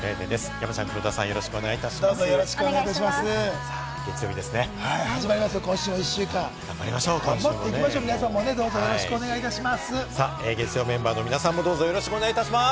山ちゃん、黒田さん、よろしくお願いします。